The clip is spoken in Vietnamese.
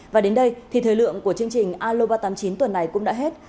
và đến đây thì thời lượng của chương trình aloba tám mươi chín tuần này cũng đã hết